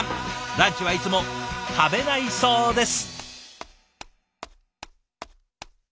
ランチはいつも食べないそうです。